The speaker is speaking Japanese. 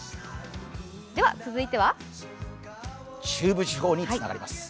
続いては中部地方につながります。